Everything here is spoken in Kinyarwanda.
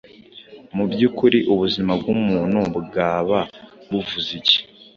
Mu by'ukuri, ubuzima bw'umuntu bwaba buvuze iki